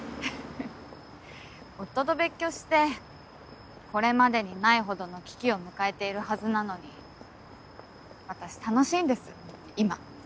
夫と別居してこれまでにないほどの危機を迎えているはずなのに私楽しいんです今。